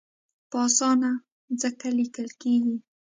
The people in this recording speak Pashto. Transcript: په اسانه ځکه لیکل کېږي.